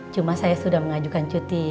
cuma saya sudah mengajukan cuti